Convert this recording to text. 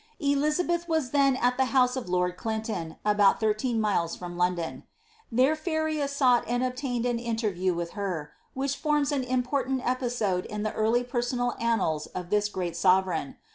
Eli zabeth was then at the house of lord Clinton, about thirteen miles from LfOndon. There Feria sought and obtained an interview with her, which forms an important episode in the early personal annals of this great sovereign.